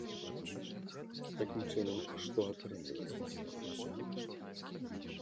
Такім чынам што атрымліваецца?